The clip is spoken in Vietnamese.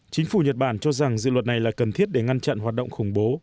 chính phủ nhật bản cho rằng dự luật này là cần thiết để ngăn chặn hoạt động khủng bố